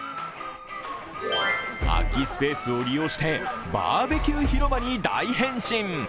空きスペースを利用してバーベキュー広場に大変身。